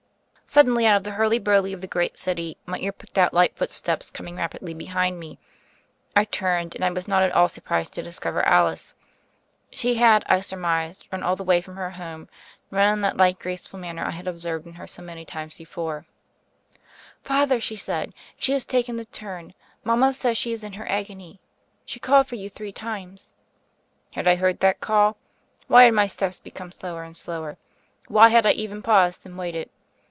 Suddenly, out of the hurly burly of the great city, my ear picked out light footsteps coming rapidly behind me; I turned, and I was not at all surprised to discover Alice. She had, I sur mised, run all the way from her home, run in that light, graceful manner I had observed in her so many a time before^ THE FAIRY OF THE SNOWS iii "Father," she said, "she has taken the tum. Mama says she is in her agony. She called for you three times." Had I heard that call? Why had my steps become slower and slower? Why had I even paused, and waited?